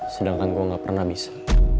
sedangkan gue gak pernah bisa